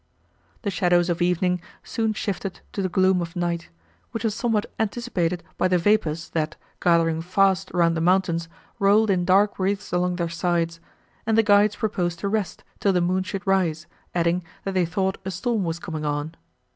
The shadows of evening soon shifted to the gloom of night, which was somewhat anticipated by the vapours, that, gathering fast round the mountains, rolled in dark wreaths along their sides; and the guides proposed to rest, till the moon should rise, adding, that they thought a storm was coming on.